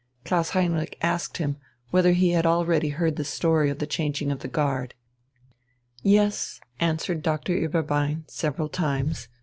Klaus Heinrich asked him whether he had already heard the story of the changing of the guard. Yes, answered Doctor Ueberbein, several times.